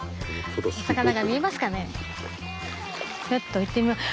ちょっと行ってみます。